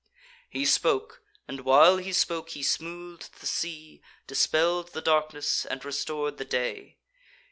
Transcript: He spoke; and, while he spoke, he smooth'd the sea, Dispell'd the darkness, and restor'd the day.